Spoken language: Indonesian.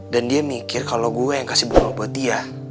dan dia mikir kalau gue yang kasih bunga buat dia